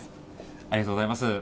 ありがとうございます。